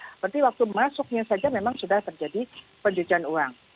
berarti waktu masuknya saja memang sudah terjadi penjujuan uang